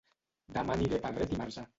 Dema aniré a Pedret i Marzà